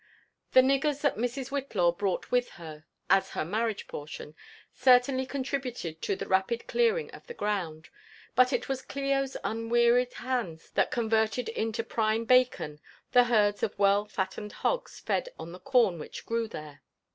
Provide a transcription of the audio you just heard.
The niggers that Mrs. Whitlaw brought with her as her marriage portion certainly contributed to the rapid clearing of the ground; but it was Clio's un wearied hands that converted into prime bacon 4he herds of .well fattened hogs fed on the corn which grew there.